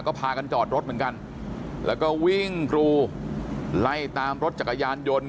ก็พากันจอดรถเหมือนกันแล้วก็วิ่งกรูไล่ตามรถจักรยานยนต์